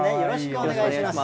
お願いします。